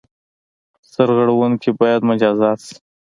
سرغړوونکي باید مجازات شي.